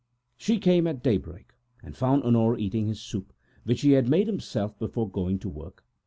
She came at daybreak, and found Honore eating his soup, which he had made himself, before going to work.